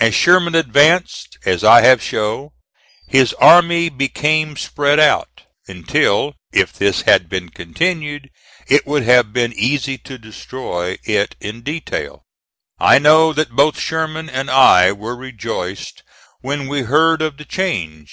As Sherman advanced, as I have show, his army became spread out, until, if this had been continued, it would have been easy to destroy it in detail. I know that both Sherman and I were rejoiced when we heard of the change.